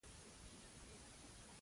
نوشهره د پېښور ډويژن يو ښار دی.